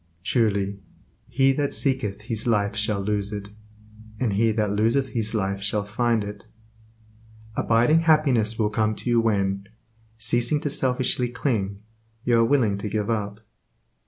Truly, "He that seeketh his life shall lose it, and he that loseth his life shall find it." Abiding happiness will come to you when, ceasing to selfishly cling, you are willing to give up.